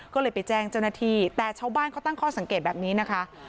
ก็เลยไปแจ้งเจ้าหน้าที่แต่ชาวบ้านเขาตั้งข้อสังเกตแบบนี้นะคะ